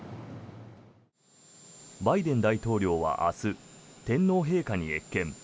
バイデン大統領は明日天皇陛下に謁見。